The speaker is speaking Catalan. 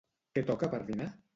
Què toca per dinar?